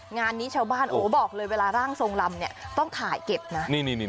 งานนี้ชาวบ้านโอ้บอกเลยเวลาร่างทรงลำเนี่ยต้องถ่ายเก็บนะ